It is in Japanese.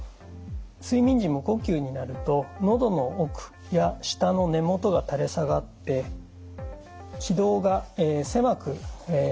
睡眠時無呼吸になるとのどの奥や舌の根もとが垂れ下がって気道が狭くなってきます。